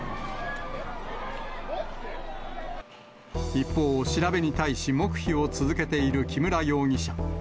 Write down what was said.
一方、調べに対し黙秘を続けている木村容疑者。